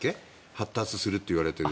発達するといわれている。